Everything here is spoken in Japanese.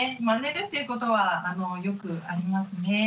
まねるっていうことはよくありますね。